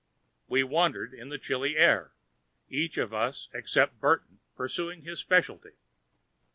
We wandered in the chilly air, each of us except Burton pursuing his specialty.